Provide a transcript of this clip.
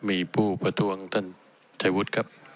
มีผู้ประท้วงท่านชัยวุฒิครับ